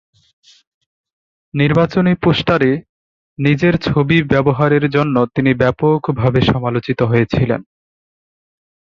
নির্বাচনী পোস্টারে নিজের ছবি ব্যবহারের জন্য তিনি ব্যাপকভাবে সমালোচিত হয়েছিলেন।